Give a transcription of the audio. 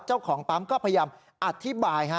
เจ้าของปั๊มก็พยายามอธิบาย